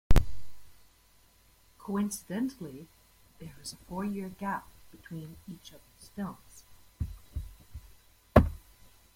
Coincidentally, there is a four-year gap between each of his films.